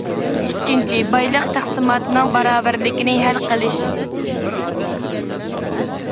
ئىككىنچى، بايلىق تەقسىماتىنىڭ باراۋەرلىكىنى ھەل قىلىش.